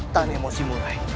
tan emosimu rai